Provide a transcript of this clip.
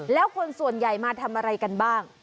แล้วคนส่วนใหญ่มาทำอะไรกันบ้าง